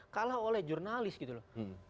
kalah oleh jurnalis gitu loh